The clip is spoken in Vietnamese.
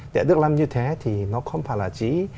để được làm như thế thì nó không phải là chỉ